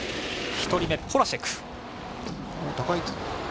１人目、ポラシェク。